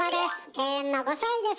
永遠の５さいです。